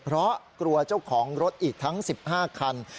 เพราะกลัวเจ้าของรถอีกทั้ง๑๕คัน